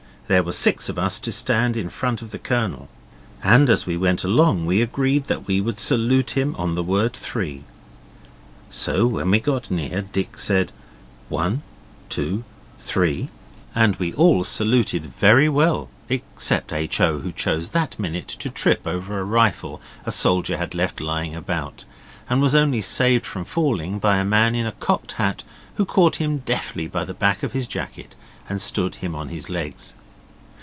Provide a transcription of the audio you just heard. So there were six of us to stand in front of the Colonel. And as we went along we agreed that we would salute him on the word three. So when we got near, Dick said, 'One, two, three', and we all saluted very well except H. O., who chose that minute to trip over a rifle a soldier had left lying about, and was only saved from falling by a man in a cocked hat who caught him deftly by the back of his jacket and stood him on his legs.